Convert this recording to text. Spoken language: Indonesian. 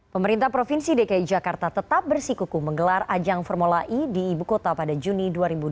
pemerintah provinsi dki jakarta tetap bersikuku menggelar ajang formula e di ibu kota pada juni dua ribu dua puluh